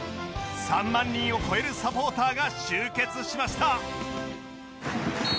３万人を超えるサポーターが集結しました